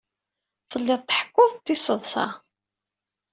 Telliḍ tḥekkuḍ-d tiseḍsa.